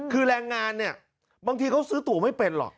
คือแรงงานเนี่ยบางทีเขาซื้อตัวไม่เป็นหรอก